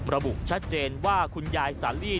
ระบุชัดเจนว่าคุณยายสาลี